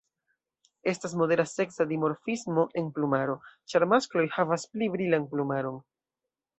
Estas modera seksa dimorfismo en plumaro, ĉar maskloj havas pli brilan plumaron.